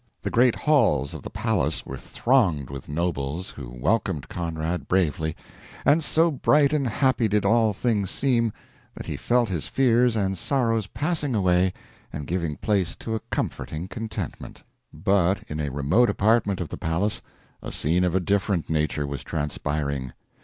The great halls of the palace were thronged with nobles, who welcomed Conrad bravely; and so bright and happy did all things seem, that he felt his fears and sorrows passing away and giving place to a comforting contentment. But in a remote apartment of the palace a scene of a different nature was transpiring.